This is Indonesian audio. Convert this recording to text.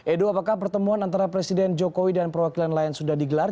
edo apakah pertemuan antara presiden jokowi dan perwakilan lain sudah digelar